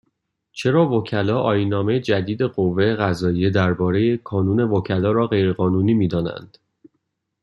چرا وکلا آییننامه جدید قوه قضاییه درباره کانون وکلا را غیرقانونی میدانند